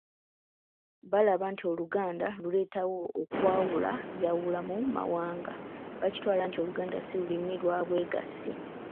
Balaba nti Oluganda luleetawo okwawulayawula mu mawanga. Baakitwala nti Oluganda si Lulimi lwa bwegassi.